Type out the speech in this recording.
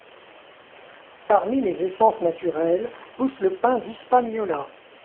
Parmi les essences naturelles pousse le Pin d'Hispaniola.